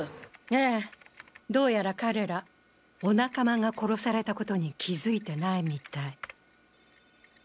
ええどうやら彼らお仲間が殺された事に気づいてないみたい。